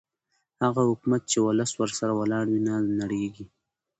هغه حکومت چې ولس ورسره ولاړ وي نه نړېږي